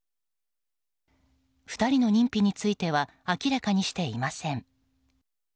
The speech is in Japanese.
２人の認否については明らかにしていません。